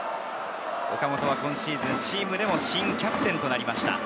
岡本は今シーズン、チームで新キャプテンとなりました。